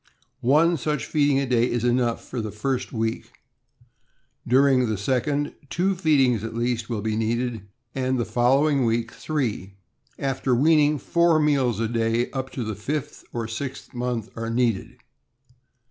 One such feeding a day is enough for the first week; during the second, two feedings at least will be needed, and the following week three. After weaning, four meals a day up to the fifth or sixth month are needed.